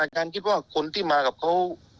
การคิดว่าคนที่มากับเขา